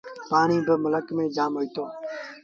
پآڻيٚ با ملڪ ميݩ جآم هوئيٚتو۔